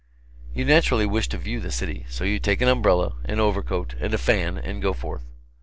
You naturally wish to view the city; so you take an umbrella, an overcoat, and a fan, and go forth.